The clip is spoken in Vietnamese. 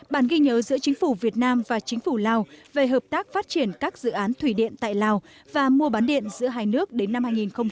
bản ghi nhớ giữa chính phủ việt nam và chính phủ lào về hợp tác phát triển các dự án thủy điện tại lào và mua bán điện giữa hai nước đến năm hai nghìn hai mươi